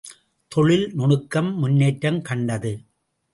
தொழில் நுணுக்கம் முன்னேற்றம் கண்டது.